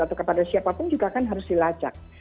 atau kepada siapapun juga kan harus dilacak